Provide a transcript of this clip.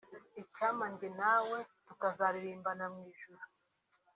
Icyampa njye nawe tukazaririmbana mu ijuru